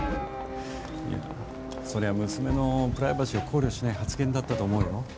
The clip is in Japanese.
いや、そりゃ娘のプライバシーを考慮しない発言だったと思うよ？